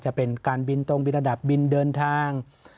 จะเป็นการบินตรงบินระดับบินเดินทาง